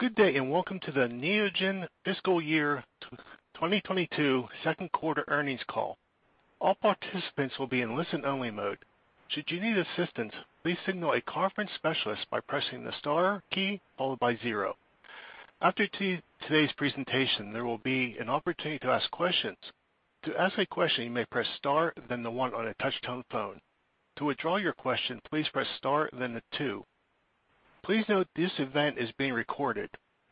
Good day, and welcome to the Neogen fiscal year 2022 second quarter earnings call. All participants will be in listen-only mode. Should you need assistance, please signal a conference specialist by pressing the star key followed by zero. After today's presentation, there will be an opportunity to ask questions. To ask a question, you may press star then the one on a touch-tone phone. To withdraw your question, please press star then the two. Please note this event is being recorded.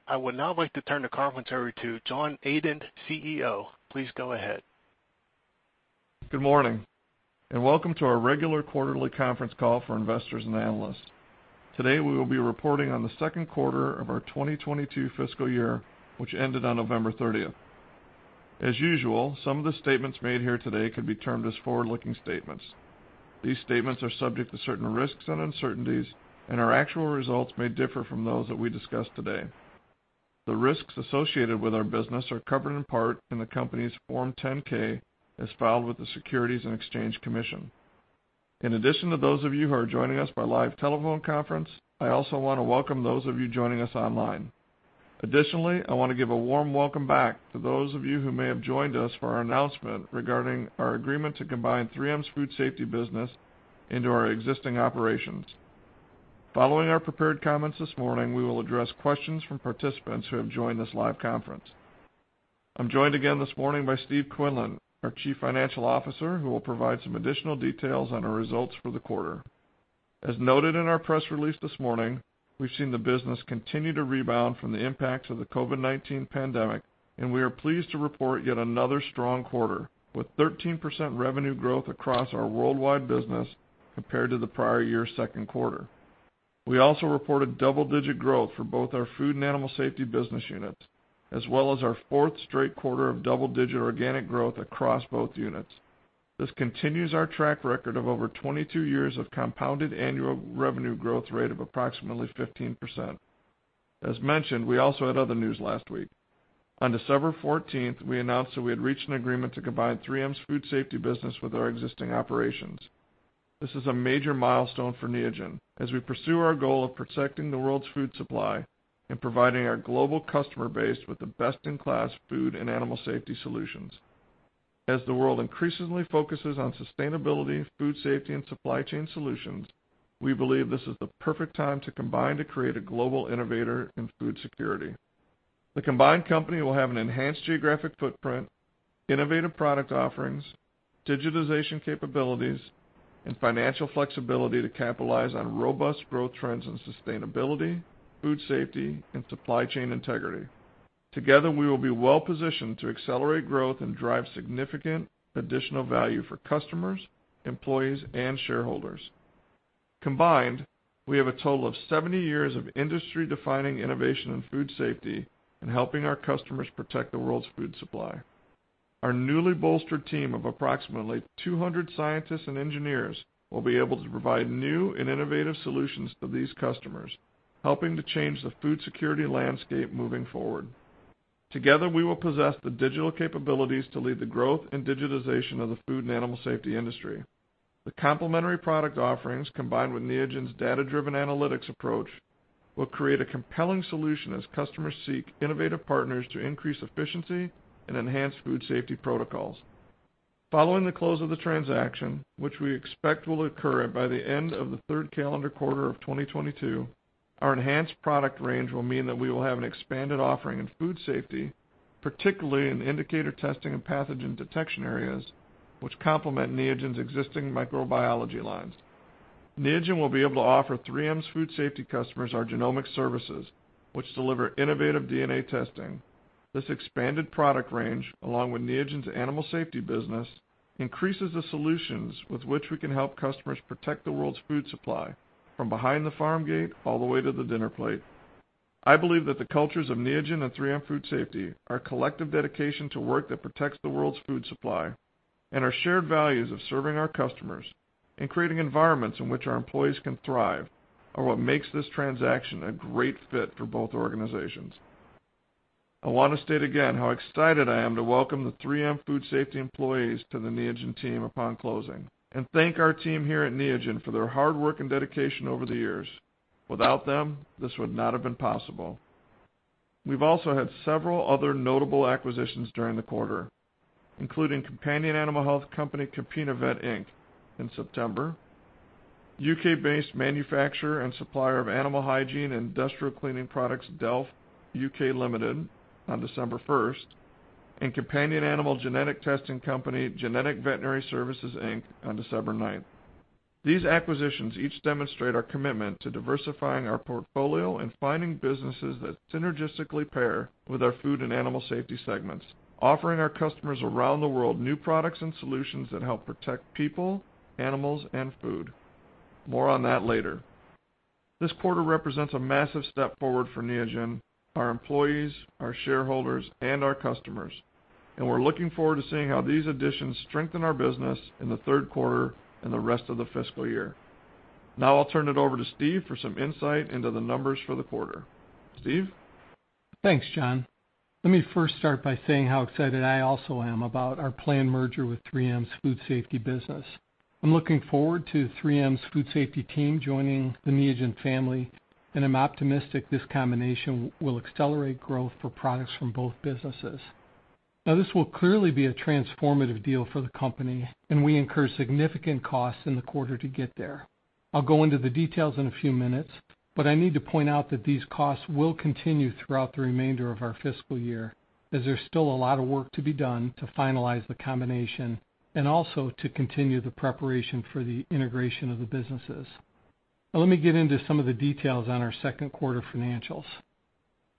I would now like to turn the conference over to John Adent, CEO. Please go ahead. Good morning, and welcome to our regular quarterly conference call for investors and analysts. Today, we will be reporting on the second quarter of our 2022 fiscal year, which ended on November 30th. As usual, some of the statements made here today could be termed as forward-looking statements. These statements are subject to certain risks and uncertainties, and our actual results may differ from those that we discuss today. The risks associated with our business are covered in part in the company's Form 10-K, as filed with the Securities and Exchange Commission. In addition to those of you who are joining us by live telephone conference, I also wanna welcome those of you joining us online. Additionally, I wanna give a warm welcome back to those of you who may have joined us for our announcement regarding our agreement to combine 3M's food safety business into our existing operations. Following our prepared comments this morning, we will address questions from participants who have joined this live conference. I'm joined again this morning by Steve Quinlan, our Chief Financial Officer, who will provide some additional details on our results for the quarter. As noted in our press release this morning, we've seen the business continue to rebound from the impacts of the COVID-19 pandemic, and we are pleased to report yet another strong quarter, with 13% revenue growth across our worldwide business compared to the prior year's second quarter. We also reported double-digit growth for both our Food Safety and Animal Safety business units, as well as our fourth straight quarter of double-digit organic growth across both units. This continues our track record of over 22 years of compounded annual revenue growth rate of approximately 15%. As mentioned, we also had other news last week. On December 14th, we announced that we had reached an agreement to combine 3M's Food Safety business with our existing operations. This is a major milestone for Neogen as we pursue our goal of protecting the world's food supply and providing our global customer base with the best-in-class Food and Animal Safety solutions. As the world increasingly focuses on sustainability, Food Safety, and supply chain solutions, we believe this is the perfect time to combine to create a global innovator in food security. The combined company will have an enhanced geographic footprint, innovative product offerings, digitization capabilities, and financial flexibility to capitalize on robust growth trends in sustainability, Food Safety, and supply chain integrity. Together, we will be well-positioned to accelerate growth and drive significant additional value for customers, employees, and shareholders. Combined, we have a total of 70 years of industry-defining innovation in Food Safety and helping our customers protect the world's food supply. Our newly bolstered team of approximately 200 scientists and engineers will be able to provide new and innovative solutions to these customers, helping to change the food security landscape moving forward. Together, we will possess the digital capabilities to lead the growth and digitization of the Food and Animal Safety industry. The complementary product offerings, combined with Neogen's data-driven analytics approach, will create a compelling solution as customers seek innovative partners to increase efficiency and enhance Food Safety protocols. Following the close of the transaction, which we expect will occur by the end of the third calendar quarter of 2022, our enhanced product range will mean that we will have an expanded offering in Food Safety, particularly in indicator testing and pathogen detection areas, which complement Neogen's existing microbiology lines. Neogen will be able to offer 3M's Food Safety customers our Genomic Services, which deliver innovative DNA testing. This expanded product range, along with Neogen's Animal Safety business, increases the solutions with which we can help customers protect the world's food supply from behind the farm gate all the way to the dinner plate. I believe that the cultures of Neogen and 3M Food Safety, our collective dedication to work that protects the world's food supply, and our shared values of serving our customers and creating environments in which our employees can thrive are what makes this transaction a great fit for both organizations. I wanna state again how excited I am to welcome the 3M Food Safety employees to the Neogen team upon closing, and thank our team here at Neogen for their hard work and dedication over the years. Without them, this would not have been possible. We've also had several other notable acquisitions during the quarter, including companion animal health company CAPInnoVet, Inc. in September, U.K.-based manufacturer and supplier of animal hygiene and industrial cleaning products, Delf UK Limited on December 1st, and companion animal genetic testing company Genetic Veterinary Sciences, Inc. on December 9th. These acquisitions each demonstrate our commitment to diversifying our portfolio and finding businesses that synergistically pair with our Food Safety and Animal Safety segments, offering our customers around the world new products and solutions that help protect people, animals, and food. More on that later. This quarter represents a massive step forward for Neogen, our employees, our shareholders, and our customers, and we're looking forward to seeing how these additions strengthen our business in the third quarter and the rest of the fiscal year. Now I'll turn it over to Steve for some insight into the numbers for the quarter. Steve? Thanks, John. Let me first start by saying how excited I also am about our planned merger with 3M's Food Safety business. I'm looking forward to 3M's Food Safety team joining the Neogen family, and I'm optimistic this combination will accelerate growth for products from both businesses. Now, this will clearly be a transformative deal for the company, and we incurred significant costs in the quarter to get there. I'll go into the details in a few minutes, but I need to point out that these costs will continue throughout the remainder of our fiscal year, as there's still a lot of work to be done to finalize the combination and also to continue the preparation for the integration of the businesses. Now, let me get into some of the details on our second quarter financials.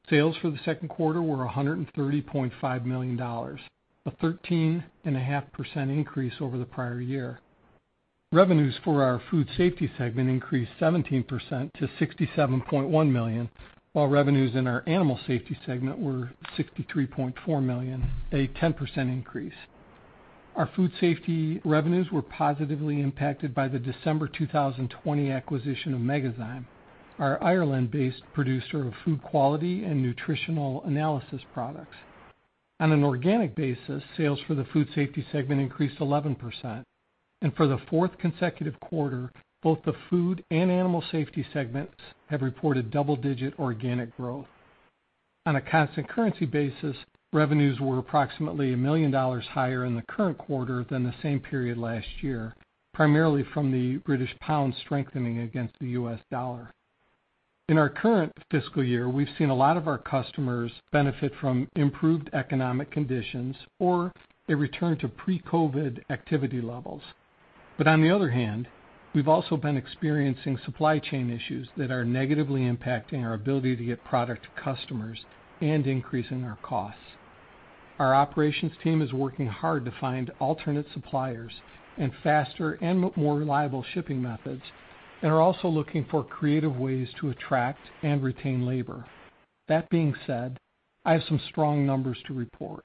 Sales for the second quarter were $130.5 million, a 13.5% increase over the prior year. Revenues for our Food Safety segment increased 17% to $67.1 million, while revenues in our Animal Safety segment were $63.4 million, a 10% increase. Our Food Safety revenues were positively impacted by the December 2020 acquisition of Megazyme, our Ireland-based producer of food quality and nutritional analysis products. On an organic basis, sales for the Food Safety segment increased 11%. For the fourth consecutive quarter, both the Food and Animal Safety segments have reported double-digit organic growth. On a constant currency basis, revenues were approximately $1 million higher in the current quarter than the same period last year, primarily from the British pound strengthening against the U.S. dollar. In our current fiscal year, we've seen a lot of our customers benefit from improved economic conditions or a return to pre-COVID activity levels. On the other hand, we've also been experiencing supply chain issues that are negatively impacting our ability to get product to customers and increasing our costs. Our operations team is working hard to find alternate suppliers and faster and more reliable shipping methods, and are also looking for creative ways to attract and retain labor. That being said, I have some strong numbers to report.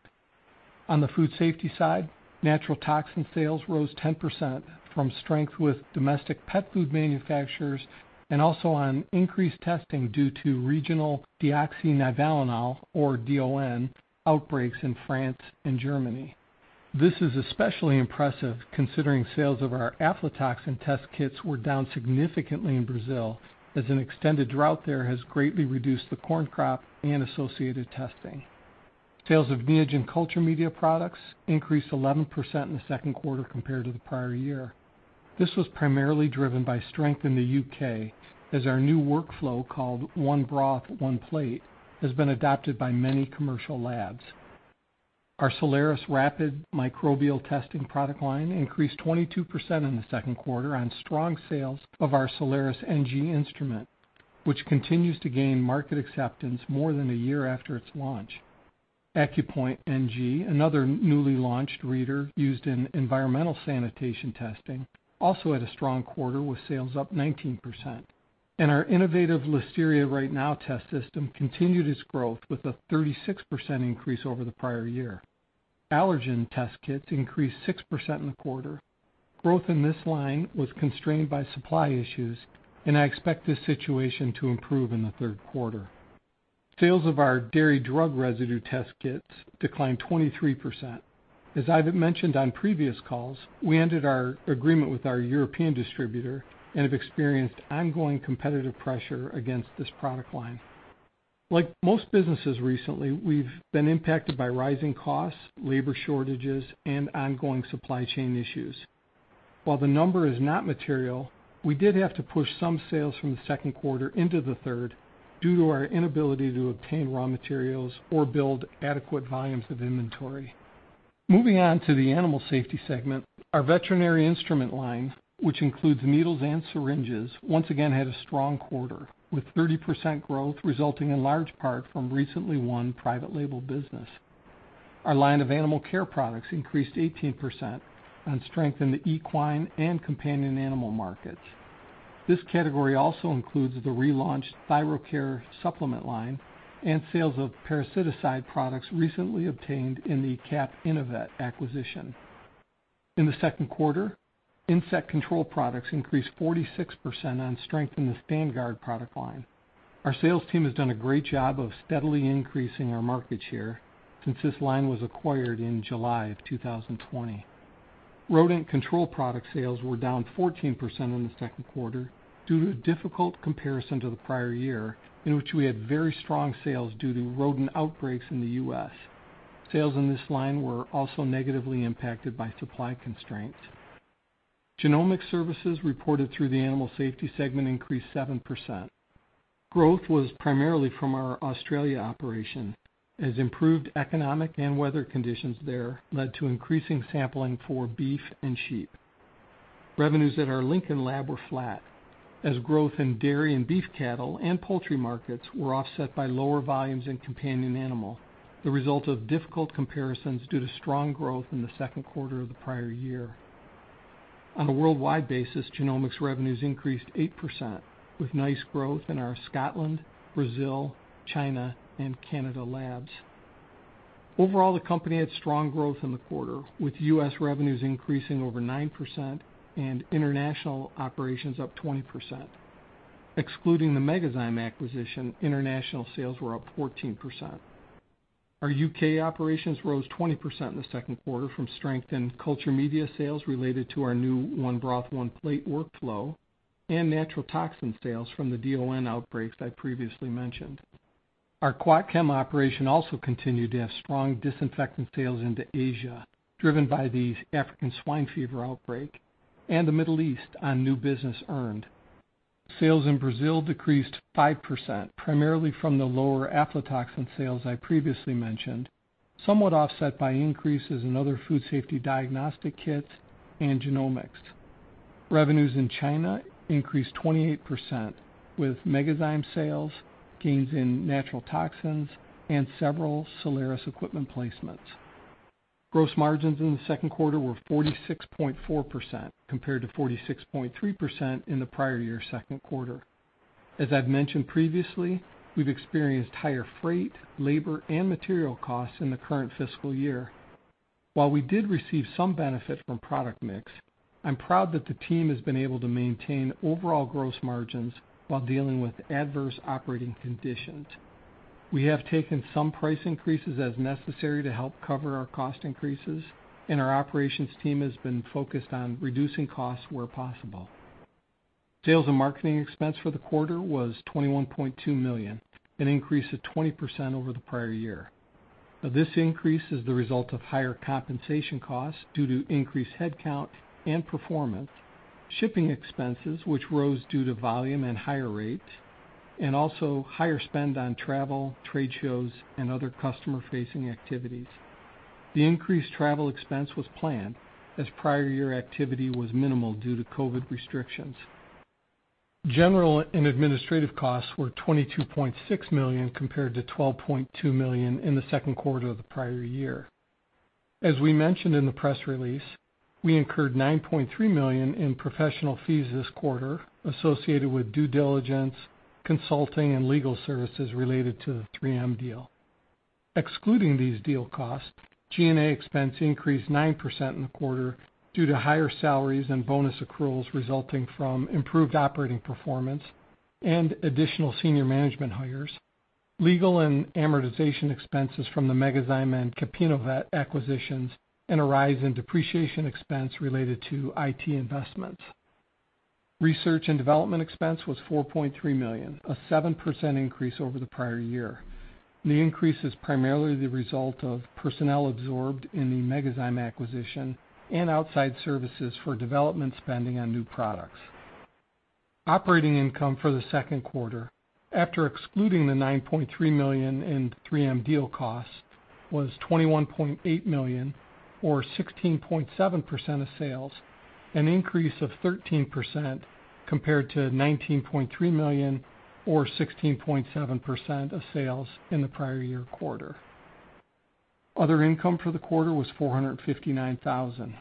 On the Food Safety side, natural toxin sales rose 10% from strength with domestic pet food manufacturers and also on increased testing due to regional deoxynivalenol or DON outbreaks in France and Germany. This is especially impressive considering sales of our aflatoxin test kits were down significantly in Brazil as an extended drought there has greatly reduced the corn crop and associated testing. Sales of Neogen Culture Media products increased 11% in the second quarter compared to the prior year. This was primarily driven by strength in the U.K., as our new workflow called One Broth One Plate has been adopted by many commercial labs. Our Soleris rapid microbial testing product line increased 22% in the second quarter on strong sales of our Soleris NG instrument, which continues to gain market acceptance more than a year after its launch. AccuPoint NG, another newly launched reader used in environmental sanitation testing, also had a strong quarter with sales up 19%. Our innovative Listeria Right Now test system continued its growth with a 36% increase over the prior year. Allergen test kits increased 6% in the quarter. Growth in this line was constrained by supply issues, and I expect this situation to improve in the third quarter. Sales of our dairy drug residue test kits declined 23%. As I've mentioned on previous calls, we ended our agreement with our European distributor and have experienced ongoing competitive pressure against this product line. Like most businesses recently, we've been impacted by rising costs, labor shortages, and ongoing supply chain issues. While the number is not material, we did have to push some sales from the second quarter into the third due to our inability to obtain raw materials or build adequate volumes of inventory. Moving on to the Animal Safety segment, our veterinary instrument line, which includes needles and syringes, once again had a strong quarter, with 30% growth resulting in large part from recently won private label business. Our line of animal care products increased 18% on strength in the equine and companion animal markets. This category also includes the relaunched ThyroKare supplement line and sales of parasiticide products recently obtained in the CAPInnoVet acquisition. In the second quarter, insect control products increased 46% on strength in the StandGuard product line. Our sales team has done a great job of steadily increasing our market share since this line was acquired in July 2020. Rodent control product sales were down 14% in the second quarter due to a difficult comparison to the prior year in which we had very strong sales due to rodent outbreaks in the U.S. Sales in this line were also negatively impacted by supply constraints. Genomic Services reported through the Animal Safety segment increased 7%. Growth was primarily from our Australia operation as improved economic and weather conditions there led to increasing sampling for beef and sheep. Revenues at our Lincoln lab were flat as growth in dairy and beef cattle and poultry markets were offset by lower volumes in companion animal, the result of difficult comparisons due to strong growth in the second quarter of the prior year. On a worldwide basis, genomics revenues increased 8% with nice growth in our Scotland, Brazil, China, and Canada labs. Overall, the company had strong growth in the quarter, with U.S. revenues increasing over 9% and international operations up 20%. Excluding the Megazyme acquisition, international sales were up 14%. Our U.K. operations rose 20% in the second quarter from strength in culture media sales related to our new One Broth One Plate workflow and natural toxin sales from the DON outbreaks I previously mentioned. Our Quat-Chem operation also continued to have strong disinfectant sales into Asia, driven by the African swine fever outbreak and the Middle East on new business earned. Sales in Brazil decreased 5%, primarily from the lower aflatoxin sales I previously mentioned, somewhat offset by increases in other food safety diagnostic kits and genomics. Revenues in China increased 28%, with Megazyme sales gains in natural toxins and several Soleris equipment placements. Gross margins in the second quarter were 46.4% compared to 46.3% in the prior year second quarter. As I've mentioned previously, we've experienced higher freight, labor, and material costs in the current fiscal year. While we did receive some benefit from product mix, I'm proud that the team has been able to maintain overall gross margins while dealing with adverse operating conditions. We have taken some price increases as necessary to help cover our cost increases, and our operations team has been focused on reducing costs where possible. Sales and marketing expense for the quarter was $21.2 million, an increase of 20% over the prior year. This increase is the result of higher compensation costs due to increased headcount and performance, shipping expenses, which rose due to volume and higher rates, and also higher spend on travel, trade shows, and other customer-facing activities. The increased travel expense was planned as prior year activity was minimal due to COVID restrictions. General and administrative costs were $22.6 million compared to $12.2 million in the second quarter of the prior year. As we mentioned in the press release, we incurred $9.3 million in professional fees this quarter associated with due diligence, consulting, and legal services related to the 3M deal. Excluding these deal costs, G&A expense increased 9% in the quarter due to higher salaries and bonus accruals resulting from improved operating performance and additional senior management hires, legal and amortization expenses from the Megazyme and CAPInnoVet acquisitions, and a rise in depreciation expense related to IT investments. Research and development expense was $4.3 million, a 7% increase over the prior year. The increase is primarily the result of personnel absorbed in the Megazyme acquisition and outside services for development spending on new products. Operating income for the second quarter, after excluding the $9.3 million in 3M deal cost, was $21.8 million or 16.7% of sales, an increase of 13% compared to $19.3 million or 16.7% of sales in the prior year quarter. Other income for the quarter was $459,000.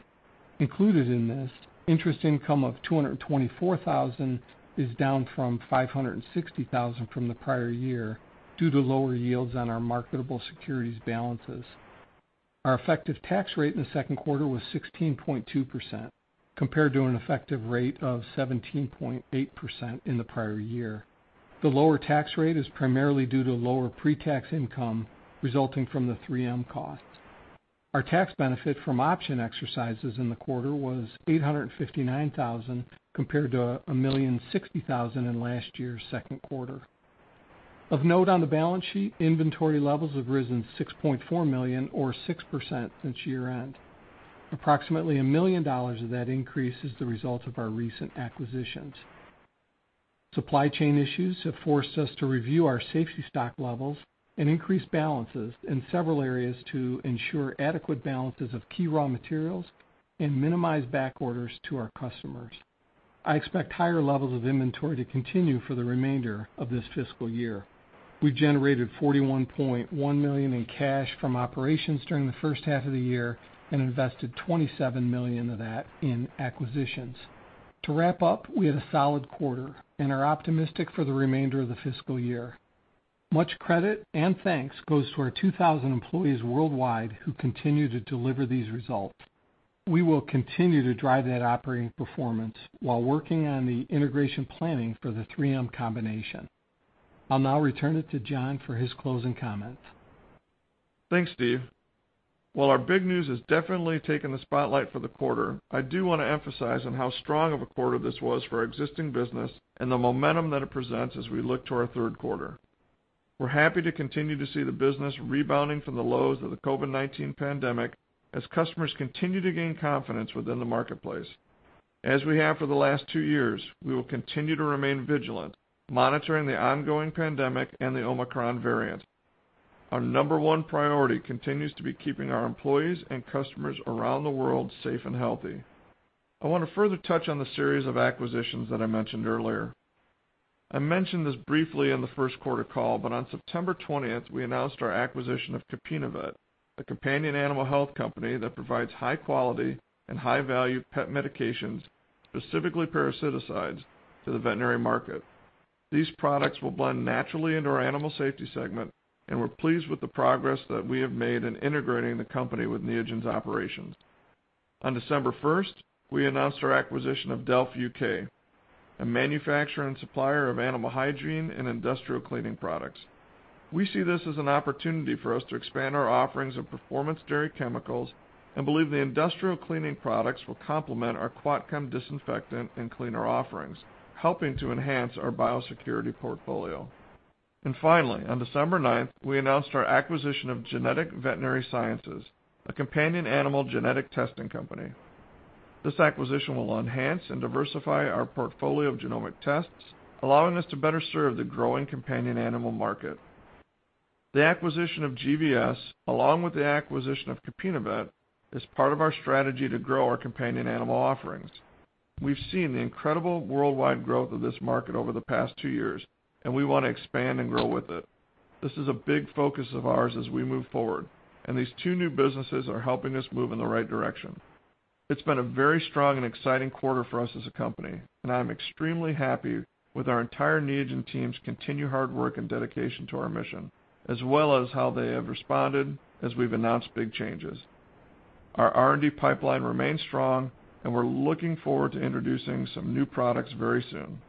Included in this, interest income of $224,000 is down from $560,000 from the prior year due to lower yields on our marketable securities balances. Our effective tax rate in the second quarter was 16.2% compared to an effective rate of 17.8% in the prior year. The lower tax rate is primarily due to lower pre-tax income resulting from the 3M costs. Our tax benefit from option exercises in the quarter was $859,000 compared to $1,060,000 in last year's second quarter. Of note on the balance sheet, inventory levels have risen $6.4 million or 6% since year-end. Approximately $1 million of that increase is the result of our recent acquisitions. Supply chain issues have forced us to review our safety stock levels and increase balances in several areas to ensure adequate balances of key raw materials and minimize back orders to our customers. I expect higher levels of inventory to continue for the remainder of this fiscal year. We generated $41.1 million in cash from operations during the first half of the year and invested $27 million of that in acquisitions. To wrap up, we had a solid quarter and are optimistic for the remainder of the fiscal year. Much credit and thanks goes to our 2,000 employees worldwide who continue to deliver these results. We will continue to drive that operating performance while working on the integration planning for the 3M combination. I'll now return it to John for his closing comments. Thanks, Steve. While our big news has definitely taken the spotlight for the quarter, I do wanna emphasize on how strong of a quarter this was for our existing business and the momentum that it presents as we look to our third quarter. We're happy to continue to see the business rebounding from the lows of the COVID-19 pandemic as customers continue to gain confidence within the marketplace. As we have for the last two years, we will continue to remain vigilant, monitoring the ongoing pandemic and the Omicron variant. Our number one priority continues to be keeping our employees and customers around the world safe and healthy. I wanna further touch on the series of acquisitions that I mentioned earlier. I mentioned this briefly in the first quarter call, but on September 20th, we announced our acquisition of CAPInnoVet, a companion animal health company that provides high quality and high value pet medications, specifically parasiticides, to the veterinary market. These products will blend naturally into our Animal Safety segment, and we're pleased with the progress that we have made in integrating the company with Neogen's operations. On December 1st, we announced our acquisition of Delf UK, a manufacturer and supplier of animal hygiene and industrial cleaning products. We see this as an opportunity for us to expand our offerings of performance dairy chemicals and believe the industrial cleaning products will complement our Quat-Chem disinfectant and cleaner offerings, helping to enhance our biosecurity portfolio. Finally, on December 9th, we announced our acquisition of Genetic Veterinary Sciences, a companion animal genetic testing company. This acquisition will enhance and diversify our portfolio of genomic tests, allowing us to better serve the growing companion animal market. The acquisition of GVS, along with the acquisition of CAPInnoVet, is part of our strategy to grow our companion animal offerings. We've seen the incredible worldwide growth of this market over the past two years, and we wanna expand and grow with it. This is a big focus of ours as we move forward, and these two new businesses are helping us move in the right direction. It's been a very strong and exciting quarter for us as a company, and I am extremely happy with our entire Neogen team's continued hard work and dedication to our mission, as well as how they have responded as we've announced big changes. Our R&D pipeline remains strong, and we're looking forward to introducing some new products very soon.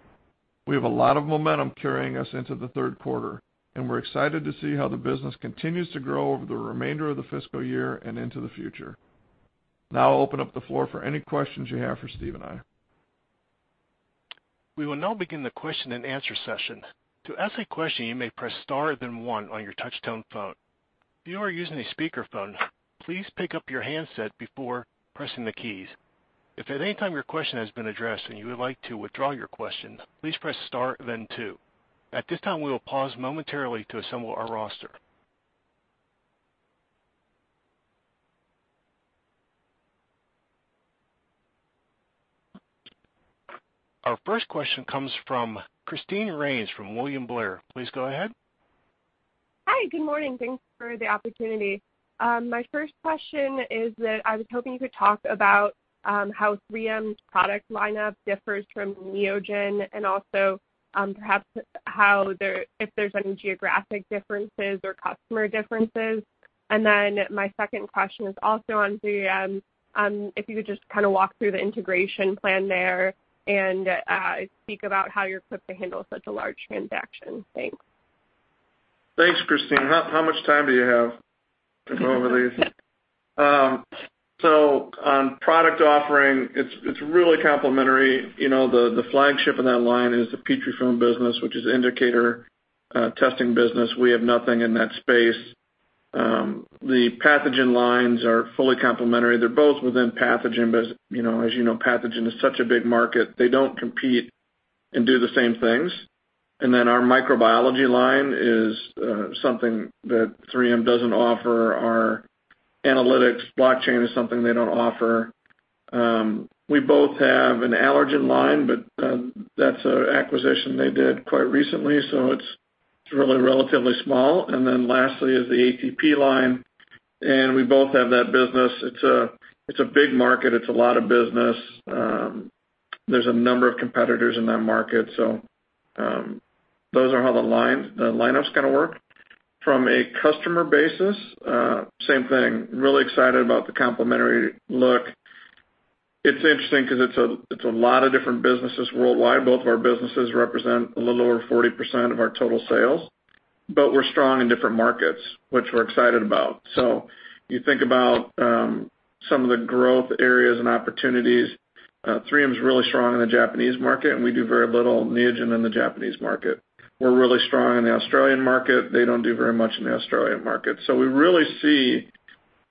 We have a lot of momentum carrying us into the third quarter, and we're excited to see how the business continues to grow over the remainder of the fiscal year and into the future. Now I'll open up the floor for any questions you have for Steve and I. We will now begin the question-and-answer session. To ask a question, you may press star then one on your touchtone phone. If you are using a speakerphone, please pick up your handset before pressing the keys. If at any time your question has been addressed and you would like to withdraw your question, please press star then two. At this time, we will pause momentarily to assemble our roster. Our first question comes from Christine Rains from William Blair. Please go ahead. Hi. Good morning. Thanks for the opportunity. My first question is that I was hoping you could talk about how 3M's product lineup differs from Neogen and also, perhaps how, if there's any geographic differences or customer differences. My second question is also on 3M. If you could just kind of walk through the integration plan there and speak about how you're equipped to handle such a large transaction. Thanks. Thanks, Christine. How much time do you have to go over these? On product offering, it's really complementary. You know, the flagship in that line is the Petrifilm business, which is indicator testing business. We have nothing in that space. The pathogen lines are fully complementary. They're both within pathogen. You know, as you know, pathogen is such a big market. They don't compete and do the same things. Then our microbiology line is something that 3M doesn't offer. Our analytics blockchain is something they don't offer. We both have an allergen line, but that's an acquisition they did quite recently, so it's really relatively small. Then lastly is the ATP line, and we both have that business. It's a big market. It's a lot of business. There's a number of competitors in that market. So, those are how the lineups kinda work. From a customer basis, same thing. Really excited about the complementary look. It's interesting 'cause it's a lot of different businesses worldwide. Both of our businesses represent a little over 40% of our total sales, but we're strong in different markets, which we're excited about. So you think about some of the growth areas and opportunities. 3M is really strong in the Japanese market, and we do very little Neogen in the Japanese market. We're really strong in the Australian market. They don't do very much in the Australian market. So we really see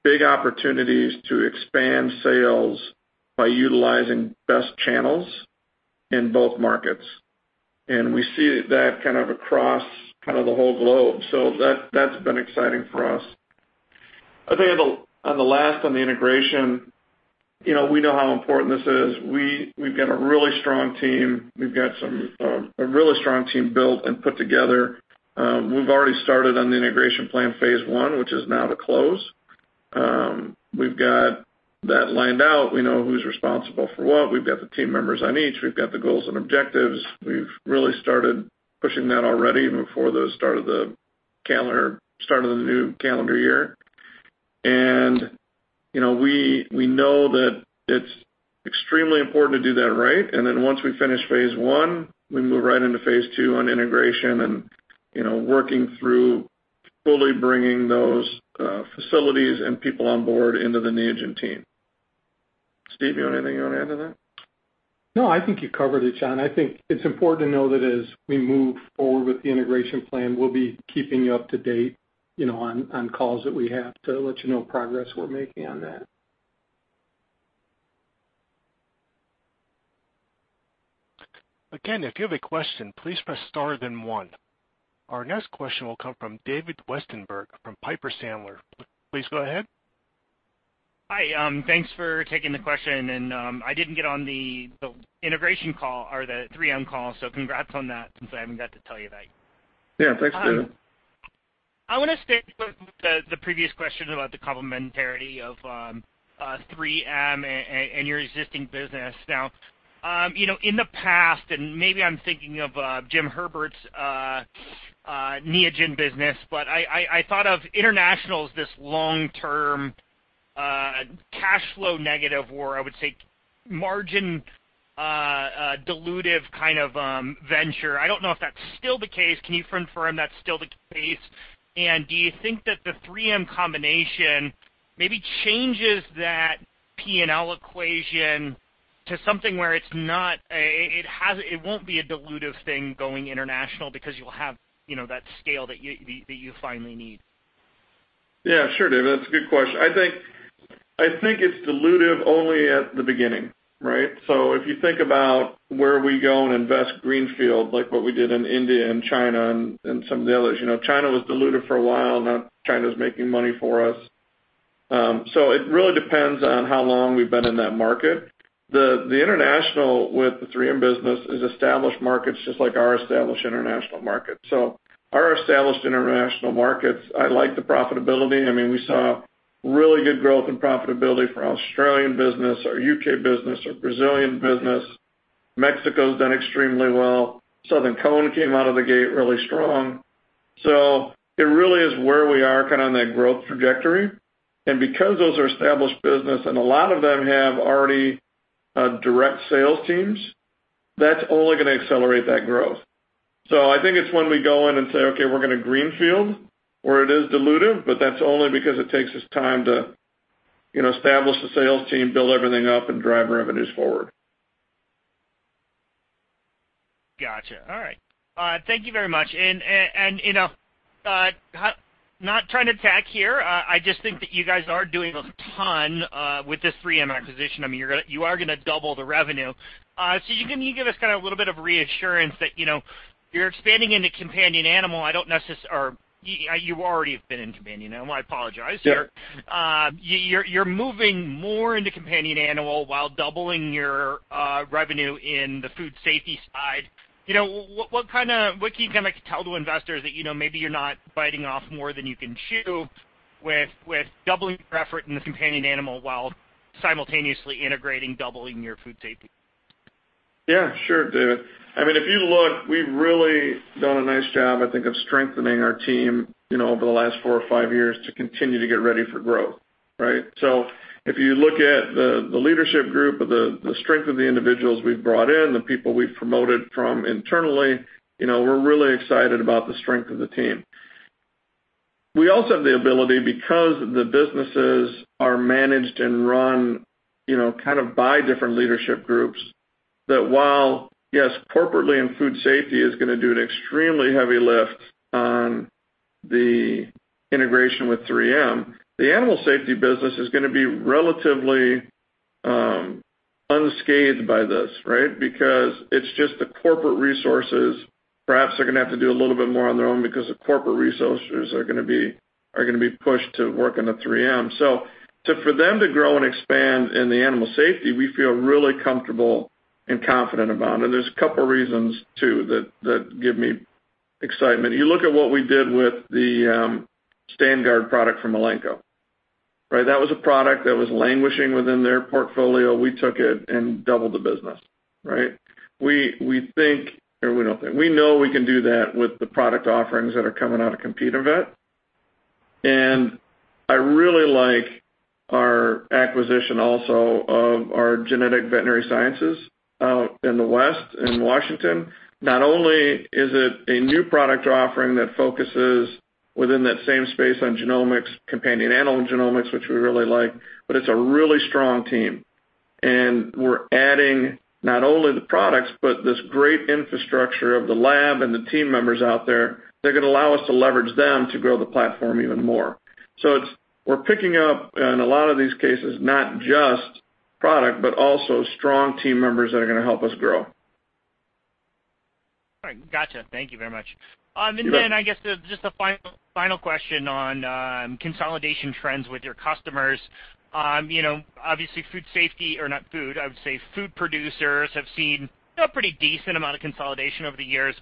big opportunities to expand sales by utilizing best channels in both markets. We see that kind of across kind of the whole globe. That's been exciting for us. I think on the integration, you know, we know how important this is. We've got a really strong team. We've got a really strong team built and put together. We've already started on the integration plan phase I, which is now to close. We've got that lined out. We know who's responsible for what. We've got the team members on each. We've got the goals and objectives. We've really started pushing that already before the start of the new calendar year. You know, we know that it's extremely important to do that right. Then once we finish phase I, we move right into phase II on integration and, you know, working through fully bringing those facilities and people on board into the Neogen team. Steve, you have anything you wanna add to that? No, I think you covered it, John. I think it's important to know that as we move forward with the integration plan, we'll be keeping you up to date, you know, on calls that we have to let you know progress we're making on that. Again, if you have a question, please press star then one. Our next question will come from David Westenberg from Piper Sandler. Please go ahead. Hi, thanks for taking the question. I didn't get on the integration call or the 3M call, so congrats on that since I haven't got to tell you that. Yeah, thanks, David. I want to stay with the previous question about the complementarity of 3M and your existing business. Now, you know, in the past, and maybe I'm thinking of James Herbert's Neogen business, but I thought of international as this long-term cash flow negative, or I would say margin dilutive kind of venture. I don't know if that's still the case. Can you confirm that's still the case? Do you think that the 3M combination maybe changes that P&L equation to something where it's not a dilutive thing going international because you'll have, you know, that scale that you finally need. Yeah. Sure, David. That's a good question. I think it's dilutive only at the beginning, right? If you think about where we go and invest greenfield, like what we did in India and China and some of the others. You know, China was dilutive for a while. Now China's making money for us. It really depends on how long we've been in that market. The international with the 3M business is established markets, just like our established international markets. Our established international markets, I like the profitability. I mean, we saw really good growth and profitability for our Australian business, our U.K. business, our Brazilian business. Mexico's done extremely well. Southern Cone came out of the gate really strong. It really is where we are kind of on that growth trajectory. Because those are established business and a lot of them have already direct sales teams, that's only gonna accelerate that growth. I think it's when we go in and say, Okay, we're gonna greenfield, where it is dilutive, but that's only because it takes us time to, you know, establish the sales team, build everything up, and drive revenues forward. Gotcha. All right. Thank you very much. You know, not trying to attack here. I just think that you guys are doing a ton with this 3M acquisition. I mean, you are gonna double the revenue. Can you give us kind of a little bit of reassurance that, you know, you're expanding into companion animal, or you already have been in companion animal. I apologize there. Yeah. You're moving more into companion animal while doubling your revenue in the Food Safety side. You know, what kinda can you kinda tell to investors that, you know, maybe you're not biting off more than you can chew with doubling your effort in the companion animal while simultaneously integrating doubling your Food Safety? Sure, Dave. I mean, if you look, we've really done a nice job, I think, of strengthening our team, you know, over the last four or five years to continue to get ready for growth, right? If you look at the leadership group, the strength of the individuals we've brought in, the people we've promoted internally, you know, we're really excited about the strength of the team. We also have the ability, because the businesses are managed and run, you know, kind of by different leadership groups, that while, yes, corporately and Food Safety is gonna do an extremely heavy lift on the integration with 3M, the Animal Safety business is gonna be relatively unscathed by this, right? Because it's just the corporate resources perhaps are gonna have to do a little bit more on their own because the corporate resources are gonna be pushed to work into 3M. For them to grow and expand in the Animal Safety, we feel really comfortable and confident about it. There's a couple reasons too that give me excitement. You look at what we did with the StandGuard product from Elanco, right? That was a product that was languishing within their portfolio. We took it and doubled the business, right? We know we can do that with the product offerings that are coming out of CAPInnoVet. I really like our acquisition also of our Genetic Veterinary Sciences out in the West, in Washington. Not only is it a new product offering that focuses within that same space on genomics, companion animal genomics, which we really like, but it's a really strong team. We're adding not only the products, but this great infrastructure of the lab and the team members out there that can allow us to leverage them to grow the platform even more. We're picking up, in a lot of these cases, not just product, but also strong team members that are gonna help us grow. All right. Gotcha. Thank you very much. You bet. I guess just a final question on consolidation trends with your customers. You know, obviously, food safety, or not food, I would say food producers have seen a pretty decent amount of consolidation over the years.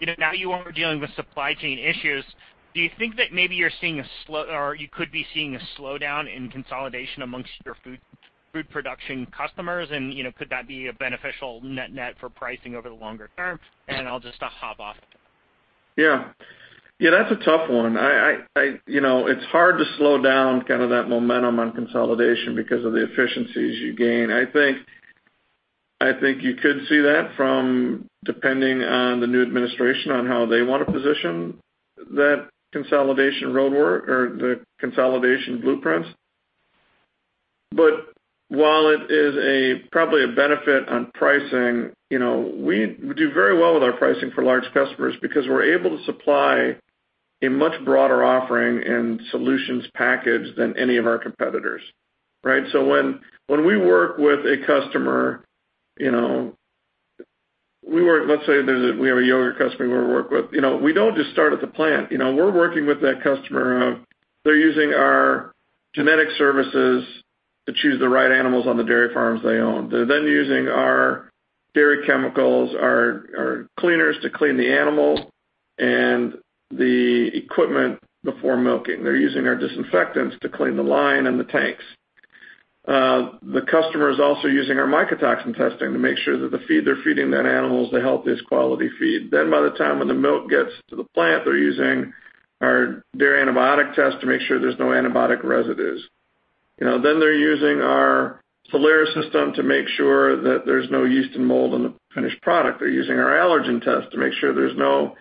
You know, now you are dealing with supply chain issues. Do you think that maybe you're seeing a slowdown in consolidation amongst your food production customers? You know, could that be a beneficial net-net for pricing over the longer term? I'll just hop off. Yeah. Yeah, that's a tough one. You know, it's hard to slow down kind of that momentum on consolidation because of the efficiencies you gain. I think you could see that depending on the new administration, on how they want to position that consolidation roadmap or the consolidation blueprints. While it is probably a benefit on pricing, you know, we do very well with our pricing for large customers because we're able to supply a much broader offering and solutions package than any of our competitors, right? When we work with a customer, you know, let's say we have a yogurt customer we work with. You know, we don't just start at the plant. You know, we're working with that customer. They're using our genetic services to choose the right animals on the dairy farms they own. They're then using our dairy chemicals, our cleaners to clean the animals and the equipment before milking. They're using our disinfectants to clean the line and the tanks. The customer is also using our mycotoxin testing to make sure that the feed they're feeding that animal is the healthiest quality feed. Then by the time when the milk gets to the plant, they're using our dairy antibiotic test to make sure there's no antibiotic residues. You know, then they're using our Soleris system to make sure that there's no yeast and mold in the finished product. They're using our allergen test to make sure there's no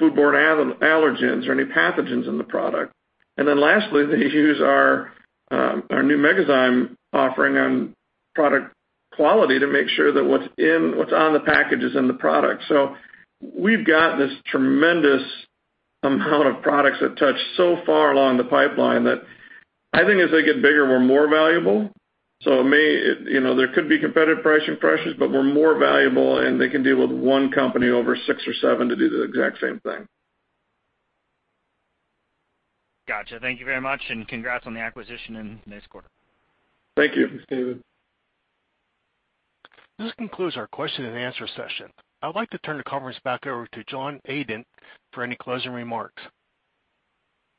foodborne allergens or any pathogens in the product. Lastly, they use our our new Megazyme offering on product quality to make sure that what's on the package is in the product. We've got this tremendous amount of products that touch so far along the pipeline that I think as they get bigger, we're more valuable. It may, you know, there could be competitive pricing pressures, but we're more valuable, and they can deal with one company over six or seven to do the exact same thing. Gotcha. Thank you very much, and congrats on the acquisition in this quarter. Thank you. Thanks, David. This concludes our question-and-answer session. I'd like to turn the conference back over to John Adent for any closing remarks.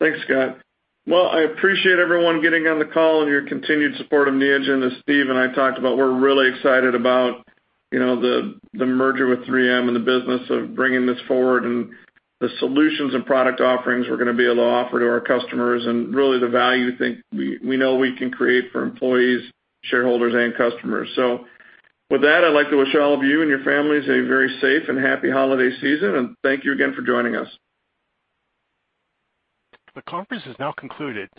Thanks, Scott. Well, I appreciate everyone getting on the call and your continued support of Neogen. As Steve and I talked about, we're really excited about, you know, the merger with 3M and the business of bringing this forward and the solutions and product offerings we're gonna be able to offer to our customers and really the value we think we can create for employees, shareholders, and customers. With that, I'd like to wish all of you and your families a very safe and happy holiday season, and thank you again for joining us. The conference is now concluded.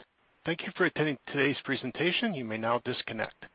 Thank you for attending today's presentation. You may now disconnect.